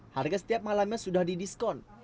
harga setiap malamnya sudah didiskon